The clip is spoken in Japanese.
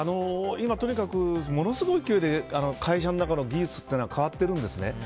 今、とにかくものすごい勢いで会社の中の技術というのは変わってるんですね。